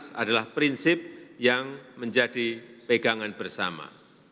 tugas adalah prinsip yang menjadi pegangan bersama